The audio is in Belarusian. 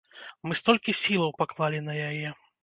Мы столькі сілаў паклалі на яе.